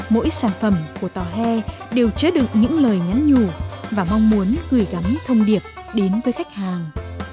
mỗi sản phẩm của tàu he đều chế được những lời nhắn nhủ và mong muốn gửi gắm thông điệp đến với khách hàng